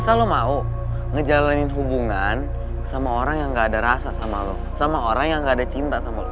sampai jumpa di video selanjutnya